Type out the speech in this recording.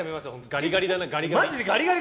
ガリガリだな、ガリガリ。